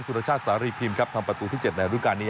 สุรชาติสารีพิมพ์ครับทำประตูที่๗ในรูปการณ์นี้